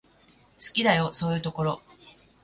好きだよ、そういうところ。